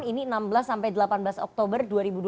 ini enam belas sampai delapan belas oktober dua ribu dua puluh